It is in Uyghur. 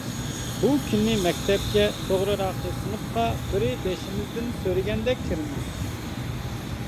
بۇ كۈنى مەكتەپكە، توغرىراقى سىنىپقا بىرى بېشىمىزدىن سۆرىگەندەك كىرىمىز.